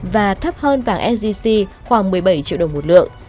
và thấp hơn vàng sgc khoảng một mươi bảy triệu đồng một lượng